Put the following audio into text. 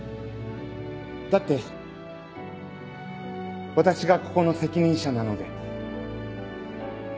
だって私がここの責任者なので。